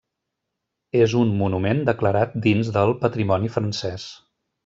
És un monument declarat dins del patrimoni francès.